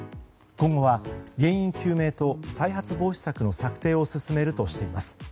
今後は原因究明と再発防止策の策定を進めるとしています。